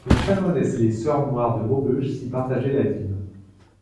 Les chanoinesses et les sœurs noires de Maubeuge s’y partageaient la dîme.